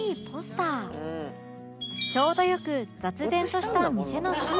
ちょうどよく雑然とした店の隅っこ